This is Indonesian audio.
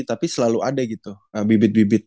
tapi selalu ada gitu bibit bibit